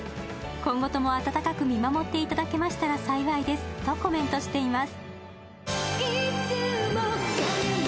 今後とも温かく見守っていただけたら幸いですとコメントしています。